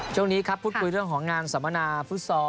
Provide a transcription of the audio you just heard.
ช่วงนี้พูดกลัวไปเรื่องของงานสมนะฟุรสอร์